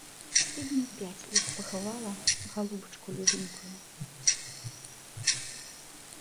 Тыдняў пяць, як пахавала галубачку любенькую.